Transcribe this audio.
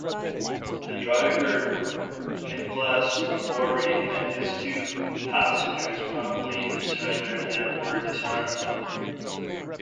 The driver, Nicolaas Fourie, and his two passengers promptly surrendered and were disarmed.